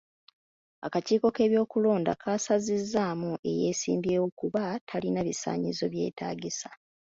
Akakiiko k'ebyokulonda kasazizzaamu eyeesimbyewo kuba talina bisaanyizo byetaagisa.